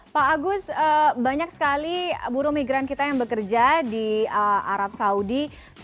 pak agus banyak sekali buru migran kita yang bekerja di arab saudi